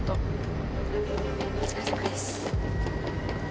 お疲れさまです。